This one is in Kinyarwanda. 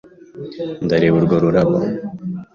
Ndareba urwo rurabo.